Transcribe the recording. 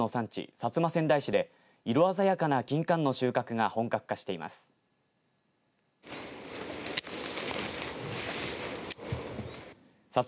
薩摩川内市で色鮮やかな、きんかんの収穫が本格化しています。